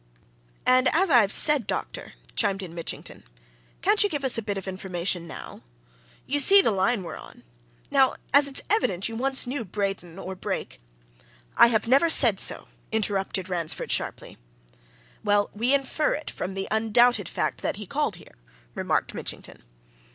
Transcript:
"And, as I've said, doctor," chimed in Mitchington, "can't you give us a bit of information, now? You see the line we're on? Now, as it's evident you once knew Braden, or Brake " "I have never said so!" interrupted Ransford sharply. "Well we infer it, from the undoubted fact that he called here," remarked Mitchington.